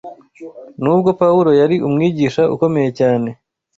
Nubwo Pawulo yari umwigisha ukomeye cyane